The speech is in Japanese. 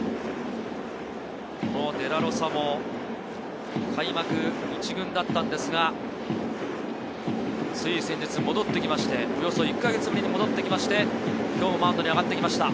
このデラロサも開幕１軍だったんですが、つい先日戻ってきまして、およそ１か月ぶりに戻ってきまして今日マウンドに上がってきました。